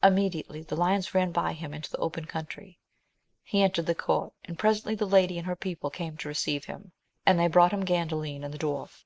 Immediately the lions ran by him into the open country. He entered the court, and presently the lady and her people came to receive him, and they brought him Gandalin and the d waif.